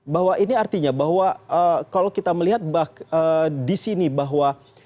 bahwa ini artinya bahwa kalau kita melihat di sini bahwa